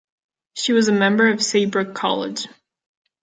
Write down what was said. She was a member of Saybrook College.